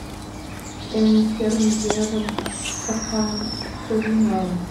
Эн первый верым Сапан Кори налын.